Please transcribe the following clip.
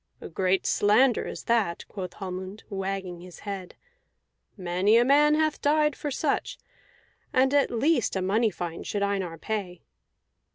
"A great slander is that," quoth Hallmund, wagging his head. "Many a man hath died for such; and at least a money fine should Einar pay."